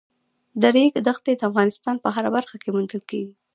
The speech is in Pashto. د ریګ دښتې د افغانستان په هره برخه کې موندل کېږي.